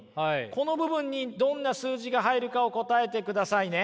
この部分にどんな数字が入るかを答えてくださいね。